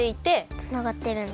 つながってるんだ。